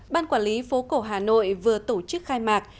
ban quản lý phố cổ hà nội vừa tổ chức khai mạc